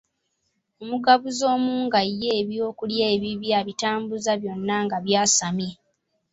Omugabuzi omu nga ye eby’okulya ebibye abitambuza byonna nga by'asamye.